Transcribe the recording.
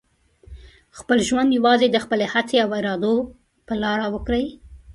خپل ژوند یوازې د خپلې هڅې او ارادو په لاره وکړئ.